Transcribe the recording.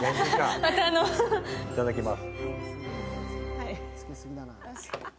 いただきます。